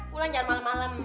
pulang jangan malem malem